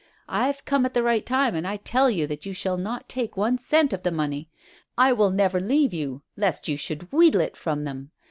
"I've come at the right time, and I tell you that you shall not take one cent of the money. I will never leave you lest you should wheedle it from them.